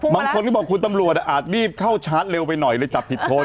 บางคนก็บอกคุณตำรวจอาจรีบเข้าชาร์จเร็วไปหน่อยเลยจับผิดคน